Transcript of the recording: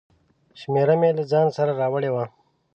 شمېره مې له ځانه سره راوړې وه.